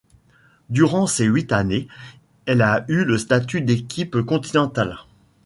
Durant ces huit années, elle a eu le statut d'équipe continentale.